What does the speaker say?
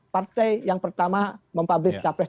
partai yang pertama mempublis capres